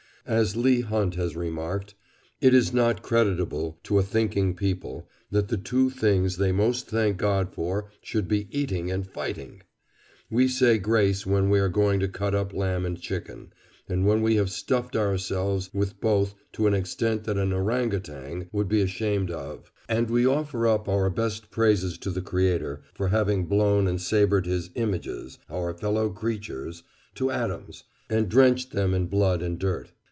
As Leigh Hunt has remarked: "It is not creditable to a thinking people that the two things they most thank God for should be eating and fighting. We say grace when we are going to cut up lamb and chicken, and when we have stuffed ourselves with both to an extent that an orang outang would be ashamed of; and we offer up our best praises to the Creator for having blown and sabred his 'images,' our fellow creatures, to atoms, and drenched them in blood and dirt.